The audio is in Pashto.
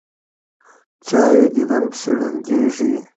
چا یې دیدن پسې ړندېږي.